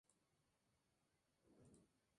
Ha disputado varios campeonatos de África y mundiales.